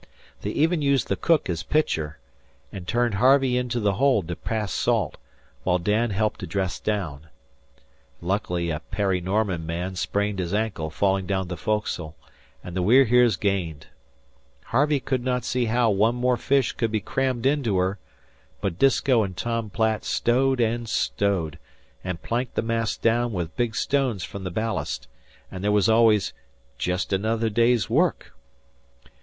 They even used the cook as pitcher, and turned Harvey into the hold to pass salt, while Dan helped to dress down. Luckily a Parry Norman man sprained his ankle falling down the foc'sle, and the We're Heres gained. Harvey could not see how one more fish could be crammed into her, but Disko and Tom Platt stowed and stowed, and planked the mass down with big stones from the ballast, and there was always "jest another day's work."